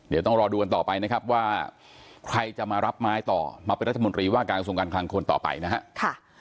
เดี๋ยวต้องรอดูกันต่อไปนะครับว่าใครจะมารับไม้ต่อมาเป็นรัฐมนตรีว่าการกระทรวงการคลังคนต่อไปนะครับ